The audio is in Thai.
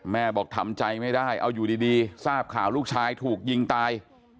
แม่บอกทำใจไม่ได้เอาอยู่ดีทราบข่าวลูกชายถูกยิงตาย